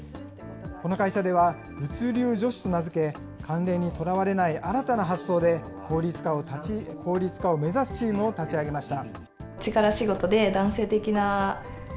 この会社では、物流女子と名付け、慣例にとらわれない新たな発想で、効率化を目指すチームを立ち上げました。